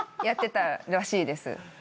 やってたらしいです。